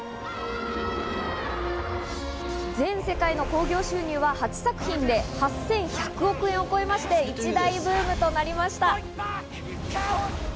全世界の興行収入は８作品で８１００億円を超えまして、一大ブームとなりました。